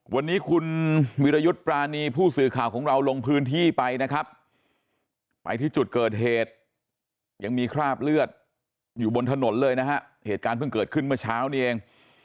วันนี้คุณวิรยุทธ์ปรานีผู้สื่อข่าวของเราลงพื้นที่ไปนะครับไปที่จุดเกิดเหตุยังมีคราบเลือดอยู่บนถนนเลยนะฮะเหตุการณ์เพิ่งเกิดขึ้นเมื่อเช้านี้เอง